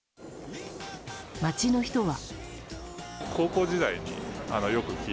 街の人は。